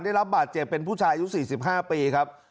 ได้รับบาดเจ็บเป็นผู้ชายอายุ๔๕ปีครับ